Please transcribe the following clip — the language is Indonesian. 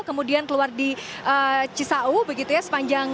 kemudian keluar di cisau begitu ya sepanjang delapan puluh enam km